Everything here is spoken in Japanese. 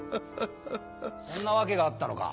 そんな訳があったのか。